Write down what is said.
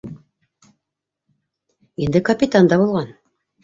Инде капитан да булған!